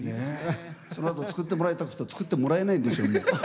そのあと作ってもらいたくても作ってもらえないんですよね。